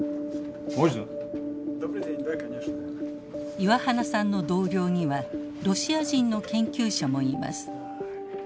岩花さんの同僚にはロシア人の研究者もいます。